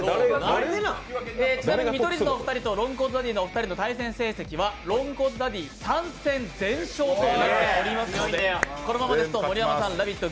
ちなみに見取り図のお二人とロングコートダディの対戦成績はロングコートダディ３戦全勝となっておりますので、このままですと盛山さん、「ラヴィット！」